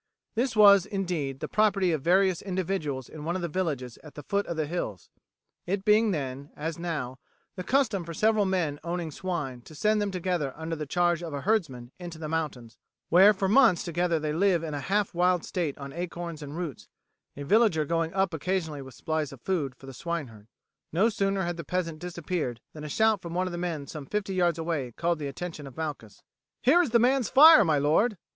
This was, indeed, the property of various individuals in one of the villages at the foot of the hills it being then, as now, the custom for several men owning swine to send them together under the charge of a herdsman into the mountains, where for months together they live in a half wild state on acorns and roots, a villager going up occasionally with supplies of food for the swineherd. No sooner had the peasant disappeared than a shout from one of the men some fifty yards away called the attention of Malchus. "Here is the man's fire, my lord."